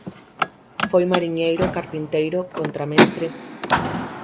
Foi mariñeiro, carpinteiro, contramestre.